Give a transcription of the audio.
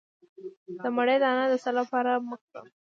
د مڼې دانه د څه لپاره مه خورم؟